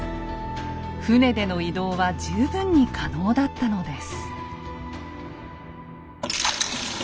船での移動は十分に可能だったのです。